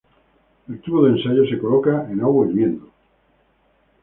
El tubo de ensayo se coloca en agua hirviendo.